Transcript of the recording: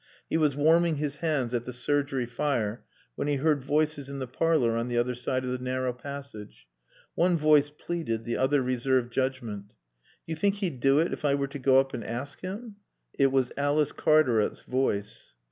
He was warming his hands at the surgery fire when he heard voices in the parlor on the other side of the narrow passage. One voice pleaded, the other reserved judgment. "Do you think he'd do it if I were to go up and ask him?" It was Alice Cartaret's voice.